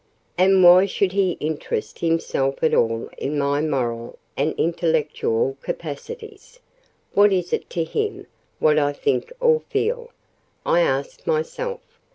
"And why should he interest himself at all in my moral and intellectual capacities: what is it to him what I think or feel?" I asked myself.